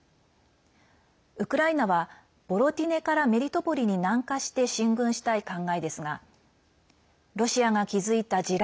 ウクライナはロボティネからメリトポリに南下して進軍したい考えですがロシアが築いた地雷